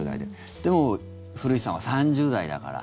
でも、古市さんは３０代だから。